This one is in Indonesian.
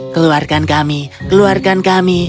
keluarkan kami keluarkan kami